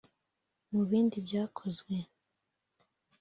Mu bindi byakozwe